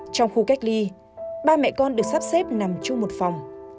trong khu cách ly ba mẹ con được sắp xếp nằm chung một phòng